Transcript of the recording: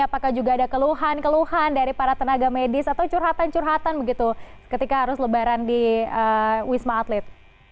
apakah juga ada keluhan keluhan dari para tenaga medis atau curhatan curhatan begitu ketika harus lebaran di wisma atlet